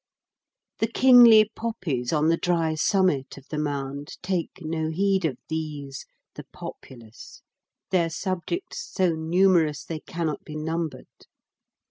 The kingly poppies on the dry summit of the mound take no heed of these, the populace, their subjects so numerous they cannot be numbered.